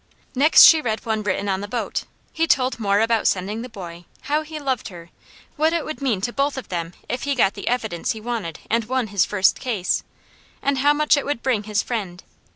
Next she read one written on the boat. He told more about sending the boy; how he loved her, what it would mean to both of them if he got the evidence he wanted and won his first case; and how much it would bring his friend.